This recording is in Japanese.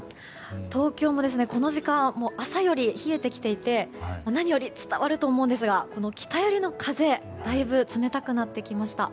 東京もこの時間は朝より冷えてきていて何より、伝わると思うんですがこの北寄りの風だいぶ冷たくなってきました。